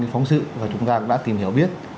phóng sự và chúng ta đã tìm hiểu biết